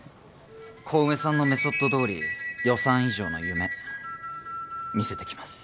小梅さんのメソッドどおり予算以上の夢見せてきます。